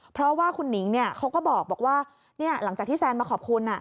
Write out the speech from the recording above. เพราะว่าคุณหนิงเขาก็บอกว่าหลังจากที่แซนมาขอบคุณ